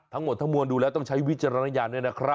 ทั้งหมดถ้ามวลดูแล้วต้องใช้วิจารณญาณ